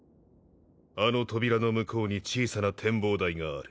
あの扉の向こうに小さな展望台がある。